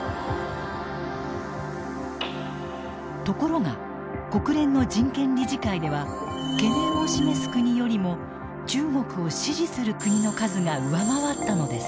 ところが国連の人権理事会では懸念を示す国よりも中国を支持する国の数が上回ったのです。